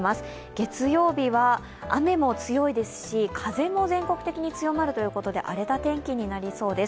月曜日は雨も強いですし、風も全国的に強まるということで荒れた天気になりそうです。